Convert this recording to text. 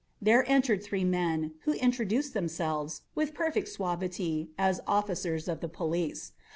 There entered three men, who introduced themselves, with perfect suavity, as officers of the police.